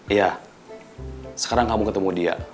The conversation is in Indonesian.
iya sekarang kamu ketemu dia